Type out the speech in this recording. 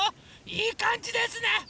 いいかんじですね。